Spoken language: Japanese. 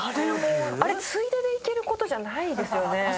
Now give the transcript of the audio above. あれついでで行ける事じゃないですよね。